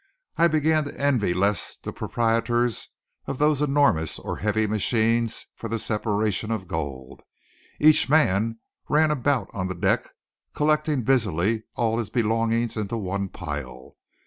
I began to envy less the proprietors of those enormous or heavy machines for the separation of gold. Each man ran about on the deck collecting busily all his belongings into one pile.